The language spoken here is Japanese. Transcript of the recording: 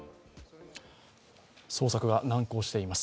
捜索が難航しています。